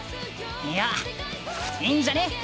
いやいいんじゃね？